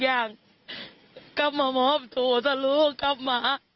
ยังต้องหลุม๑๐๐๐